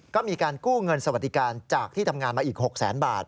ก็มีการกู้เงินสวัสดิการจากที่ทำงานมาอีก๖แสนบาท